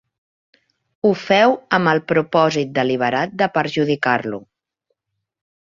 Ho feu amb el propòsit deliberat de perjudicar-lo.